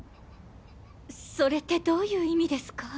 それってどういう意味ですか？